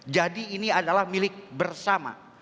jadi ini adalah milik bersama